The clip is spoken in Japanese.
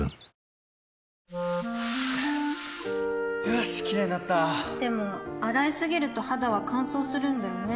よしキレイになったでも、洗いすぎると肌は乾燥するんだよね